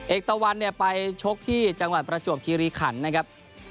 เอกตะวันไปชกที่จังหวัดประจวบคิริขันต์นะครับ